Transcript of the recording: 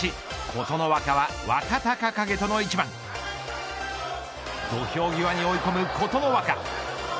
琴乃若は、若隆景との一番。土俵際に追い込む琴乃若。